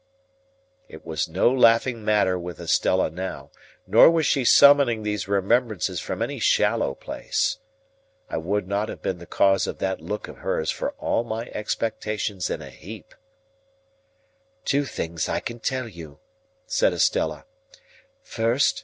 It was no laughing matter with Estella now, nor was she summoning these remembrances from any shallow place. I would not have been the cause of that look of hers for all my expectations in a heap. "Two things I can tell you," said Estella.